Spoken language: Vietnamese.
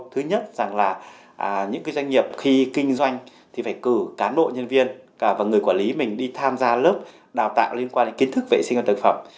thứ nhất rằng là những doanh nghiệp khi kinh doanh thì phải cử cán bộ nhân viên cả và người quản lý mình đi tham gia lớp đào tạo liên quan đến kiến thức vệ sinh an toàn thực phẩm